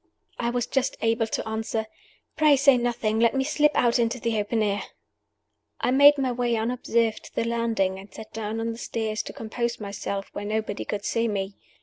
I was just able to answer, "Pray say nothing! Let me slip out into the open air!" I made my way unobserved to the landing, and sat down on the stairs to compose myself where nobody could see me.